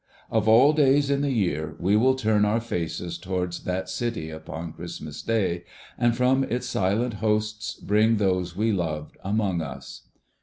Of all days in the year, we will turn our faces towards that City upon Christmas Day, and from its silent hosts bring those we loved, among us.